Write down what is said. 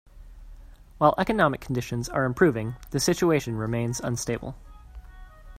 While economic conditions are improving, the situation remains unstable.